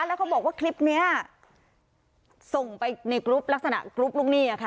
แล้วเขาบอกว่าคลิปนี้ส่งไปในกรุ๊ปลักษณะกรุ๊ปลูกหนี้ค่ะ